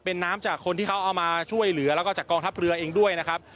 เป็นน้ำจากคนที่เขาเอามาช่วยเหลือแล้วก็จากกองทัพเรือเองด้วยนะครับ